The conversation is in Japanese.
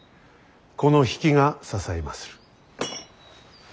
この比企が支えまする。